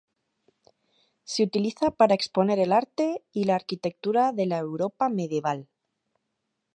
Se utiliza para exponer el arte y la arquitectura de la Europa medieval.